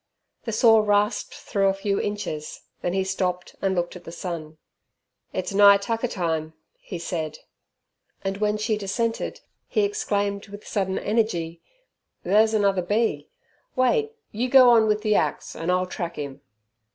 The saw rasped through a few inches, then he stopped and looked at the sun. "It's nigh tucker time," he said, and when she dissented, he exclaimed, with sudden energy, "There's another bee! Wait, you go on with the axe, an' I'll track 'im."